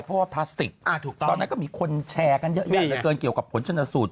เพราะว่าพลาสติกอะถูกต้องตอนนั้นก็มีคนแชร์กันเยอะแย่เพื่อเกี่ยวกับผลชนสุด